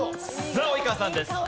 さあ及川さんです。